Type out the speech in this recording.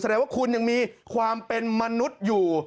แสดงว่าคุณยังมีความเป็นมนุษย์อยู่